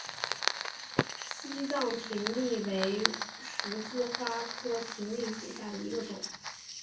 西藏葶苈为十字花科葶苈属下的一个种。